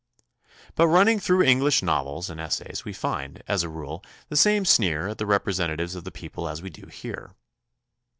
But running through English novels and es says we find, as a rule, the same sneer at the represent atives of the people as we do here.